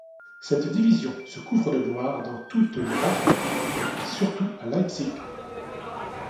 Cette division se couvre de gloire dans toutes les rencontres et surtout à Leipzig.